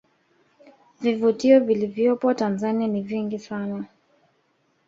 Vivutio vilivyopo tanzania ni vingi sana